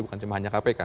bukan hanya kpk